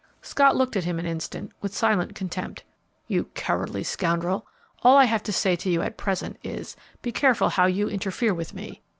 Scott looked at him an instant with silent contempt. "You cowardly scoundrel! all I have to say to you at present is, be careful how you interfere with me!